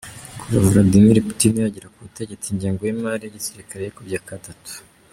Kuva Vladmir Putin yagera ku butegetsi ingengo y’ imari y’ igisirikare yikubye gatatu.